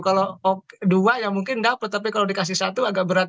kalau dua ya mungkin dapat tapi kalau dikasih satu agak berat